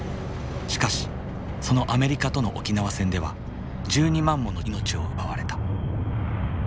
しかしそのアメリカとの沖縄戦では１２万もの命を奪われた。